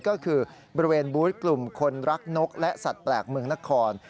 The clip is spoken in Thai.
ก็คือบริเวณบูธกลุ่มคนรักนกและสัตว์แปลกเมืองนคร